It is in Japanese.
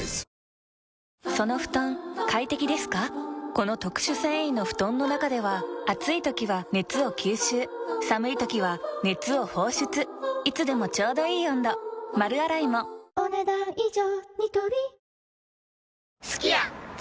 この特殊繊維の布団の中では暑い時は熱を吸収寒い時は熱を放出いつでもちょうどいい温度丸洗いもお、ねだん以上。